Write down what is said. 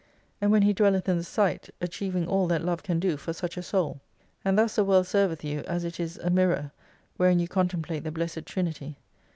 And when He dwelleth in the sight achieving all that love can do for such a soul. And thus the world serveth you as it is a mirror wherein you contemplate the Blessed Ti inity.